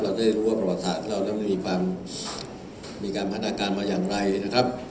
เพื่อนจะได้รู้ว่าประวัติศาสตร์ของเรามันมีความมีการพันธกรรมมาอย่างไรนะครับ